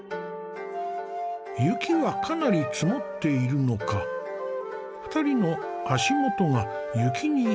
雪はかなり積もっているのか２人の足元が雪に埋まっているね。